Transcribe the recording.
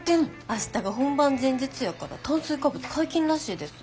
明日が本番前日やから炭水化物解禁らしいです。